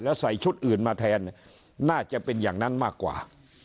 แล้วใส่ชุดอื่นมาแทนน่าจะเป็นอย่างนั้นมากกว่า